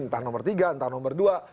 entah nomor tiga entah nomor dua